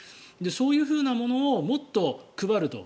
そういうふうなものをもっと配ると。